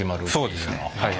そうですねはい。